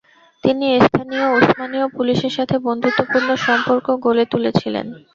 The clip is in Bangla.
তিনি স্থানীয় উসমানীয় পুলিশের সাথে বন্ধুত্বপূর্ণ সম্পর্ক গড়ে তুলেছিলেন।